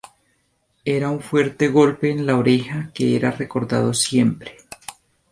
Era un fuerte golpe en la oreja que era recordado siempre.